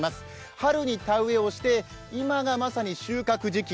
春に田植えをして、今がまさに収穫時期。